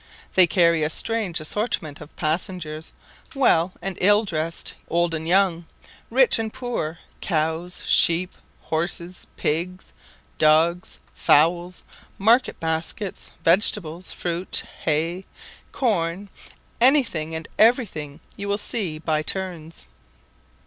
They carry a strange assortment of passengers; well and ill dressed; old and young; rich and poor; cows, sheep, horses, pigs, dogs, fowls, market baskets, vegetables, fruit, hay, corn, anything and everything you will see by turns.